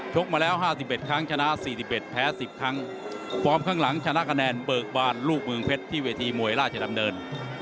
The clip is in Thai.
มาแล้ว๕๑ครั้งชนะ๔๑แพ้๑๐ครั้งฟอร์มข้างหลังชนะคะแนนเบิกบานลูกเมืองเพชรที่เวทีมวยราชดำเนิน